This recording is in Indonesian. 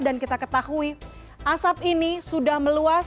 dan kita ketahui asap ini sudah meluas